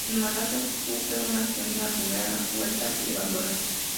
En Malasia sufre un accidente en la primera vuelta y abandona.